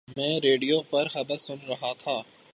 میں ریڈیو پر خبر سن رہا تھا